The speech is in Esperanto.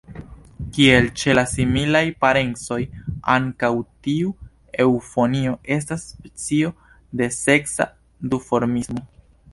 Kiel ĉe la similaj parencoj, ankaŭ tiu eŭfonjo estas specio de seksa duformismo.